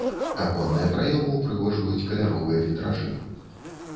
Аконныя праёмы ўпрыгожваюць каляровыя вітражы.